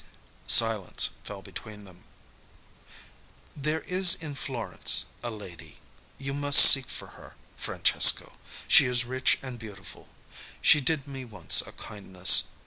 Silence fell between them. "There is in Florence a lady. You must seek for her, Francesco. She is rich and beautiful. She did me once a kindness.